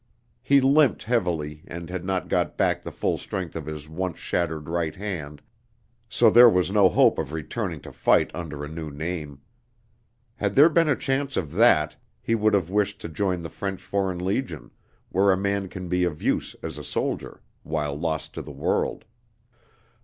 He limped heavily, and had not got back the full strength of his once shattered right hand, so there was no hope of returning to fight under a new name. Had there been a chance of that, he would have wished to join the French Foreign Legion, where a man can be of use as a soldier, while lost to the world.